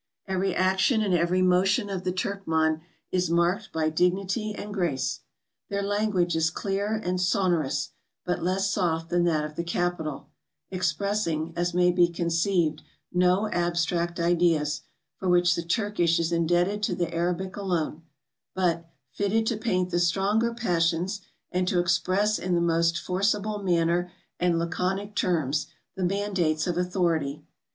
Every action and every motion of the Turkman is marked by dignity and grace. Their language is clear and sonorous, but less soft than that of the capital; ex¬ pressing, as may be conceived, no abstract ideas, for which the Turkish is indebted to the Arabic alone; but, fitted to paint the stronger passions, and to express in the most forcible manner and la¬ conic terms, the mandates of authority.